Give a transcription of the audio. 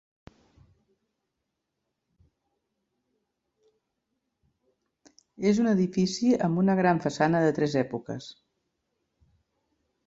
És un edifici amb una gran façana de tres èpoques.